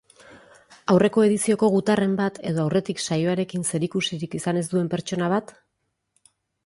Aurreko edizioko gutarren bat edo aurretik saioarekin zerikusirik izan ez duen pertsona bat?